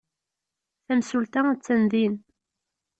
Tamsulta attan din.